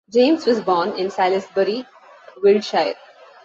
James was born in Salisbury, Wiltshire.